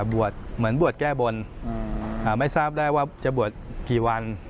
บวชเหมือนบวชแก้บนไม่ทราบได้ว่าจะบวชกี่วัน